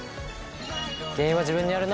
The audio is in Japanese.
原因は自分にある。